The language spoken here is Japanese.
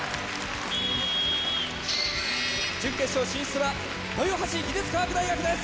準決勝進出は豊橋技術科学大学です！